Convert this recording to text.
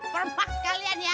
permak sekalian ya